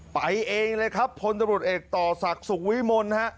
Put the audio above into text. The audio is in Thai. ไปเองเลยครับพลตำรวจเอกต่อศักดิ์สุขวิมลฮะ